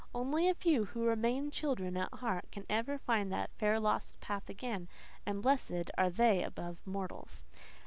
Only a few, who remain children at heart, can ever find that fair, lost path again; and blessed are they above mortals.